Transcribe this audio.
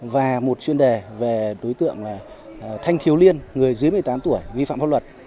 và một chuyên đề về đối tượng thanh thiếu liên người dưới một mươi tám tuổi vi phạm pháp luật